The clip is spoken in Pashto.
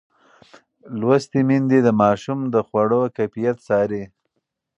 لوستې میندې د ماشوم د خواړو کیفیت څاري.